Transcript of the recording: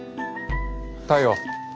太陽？